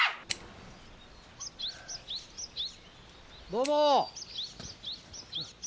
どうも！